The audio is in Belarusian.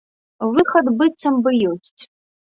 Выхад быццам бы ёсць.